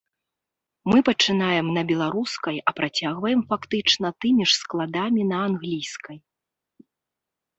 Мы пачынаем на беларускай, а працягваем фактычна тымі ж складамі на англійскай.